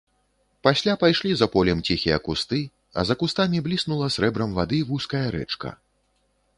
Пасля пайшлі за полем ціхія кусты, а за кустамі бліснула срэбрам вады вузкая рэчка.